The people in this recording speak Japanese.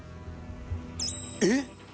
えっ！